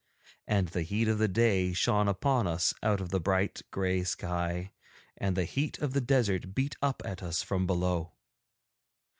And the heat of the sun shone upon us out of the bright grey sky, and the heat of the desert beat up at us from below.